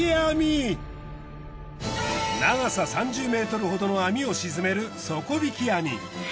長さ３０ｍほどの網を沈める底引き網。